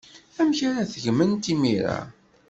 Amek ara tgemt imir-a?